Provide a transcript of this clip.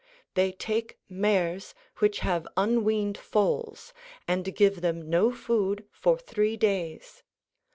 They take mares which have unweaned foals, and give them no food for three days.